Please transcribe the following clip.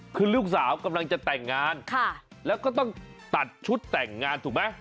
คือลูกสาวกำลังจะแต่งงานแล้วก็ต้องตัดชุดแต่งงานถูกไหม